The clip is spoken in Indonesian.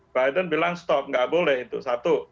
biden bilang stop nggak boleh itu satu